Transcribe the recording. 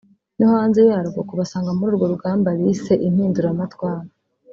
no hanze yarwo kubasanga muri urwo rugamba bise impinduramatwara